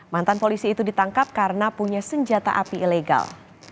mantan polisi itu ditangkap karena punya senjata api ilegal